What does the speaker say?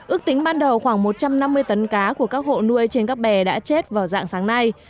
ước tính ban đầu khoảng một trăm năm mươi tấn cá của các hộ nuôi trên các bè đã chết vào dạng sáng nay